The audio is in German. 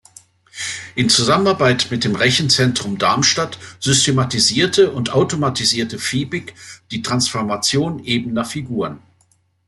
In Zusammenarbeit mit dem Rechenzentrum Darmstadt systematisierte und automatisierte Fiebig die Transformation ebener Figuren.